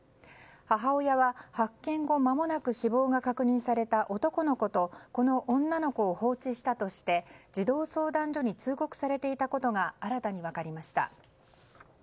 母親は発見後まもなく死亡が確認された男の子とこの女の子を放置したとして児童相談所に通告されていたことが新たに分かりました。